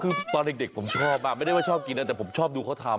คือตอนเด็กผมชอบไม่ได้ว่าชอบกินนะแต่ผมชอบดูเขาทำ